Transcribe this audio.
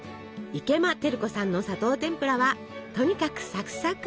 池間照子さんの砂糖てんぷらはとにかくサクサク。